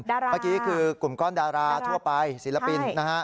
ดาราปะกี้คือกลุ่มก้อนดาราทั่วไปศิลปิน